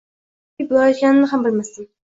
Qaysi tarafga ketib borayotganimni ham bilmasdim